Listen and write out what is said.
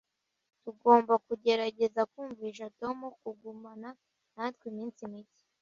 Tugomba kugerageza kumvisha Tom kugumana natwe iminsi mike.